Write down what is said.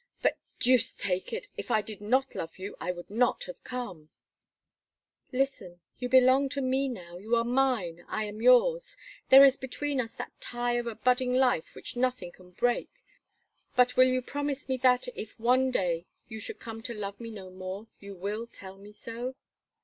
"But, deuce take it! if I did not love you, I would not have come." "Listen. You belong to me now. You are mine; I am yours. There is between us that tie of a budding life which nothing can break; but will you promise me that, if one day, you should come to love me no more, you will tell me so?"